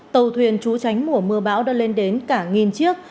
tàu thuyền trú tránh mùa mưa bão đã lên đến cả nghìn chiếc